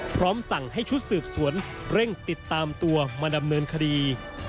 พร้อมสั่งให้ชุดสืบสวนเร่งติดตามตัวมาดำเนินคดี